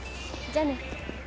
じゃあね。